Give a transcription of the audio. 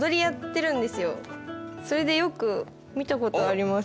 それでよく見たことあります